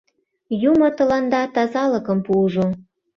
Юмо тыланда тазалыкым пуыжо!